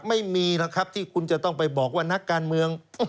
ไม่มีหรอกครับที่คุณจะต้องไปบอกว่านักการเมือง